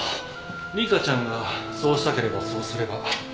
理香ちゃんがそうしたければそうすれば。